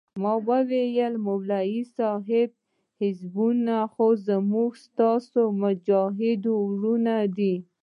ما وويل ملا صاحب حزبيان خو زموږ ستاسې مجاهد ورونه دي.